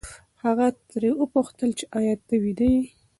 هغه ترې وپوښتل چې ایا ته ویده یې؟